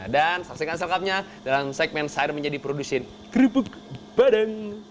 dan saksikan sengkapnya dalam segmen seir menjadi produksi kerupuk padang